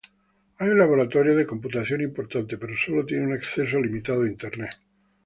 Hay un laboratorio de computación importante, pero sólo tiene acceso limitado a Internet.